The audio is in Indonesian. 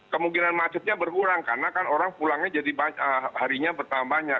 kemungkinan macetnya berkurang karena kan orang pulangnya jadi harinya bertambahnya